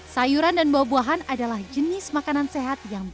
sayuran dan buah buahan adalah jenis makanan sehat yang berbeda